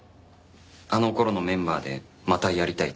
あの頃のメンバーでまたやりたいとか。